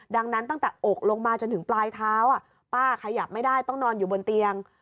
ดังนั้นตั้งแต่อกลงมาจนถึงปลายเท้าป้าขยับไม่ได้ต้องนอนอยู่บนเตียง